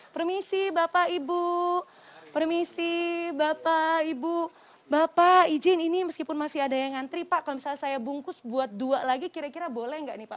permisi bapak ibu permisi bapak ibu bapak izin ini meskipun masih ada yang ngantri pak kalau misalnya saya bungkus buat dua lagi kira kira boleh nggak nih pak